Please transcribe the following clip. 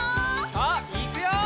さあいくよ！